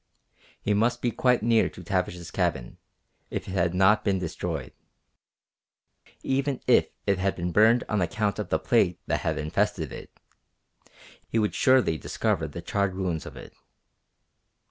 He must be quite near to Tavish's cabin, if it had not been destroyed. Even if it had been burned on account of the plague that had infested it, he would surely discover the charred ruins of it.